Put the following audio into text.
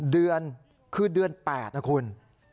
เดือนคือเดือน๘นะคุณ